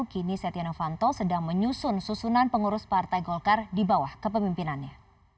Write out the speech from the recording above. kini setia novanto sedang menyusun susunan pengurus partai golkar di bawah kepemimpinannya